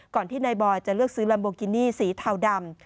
ที่นายบอยจะเลือกซื้อลัมโบกินี่สีเทาดำ